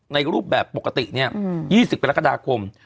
ในรูปแบบปกติเนี่ย๒๐กรกฎาคม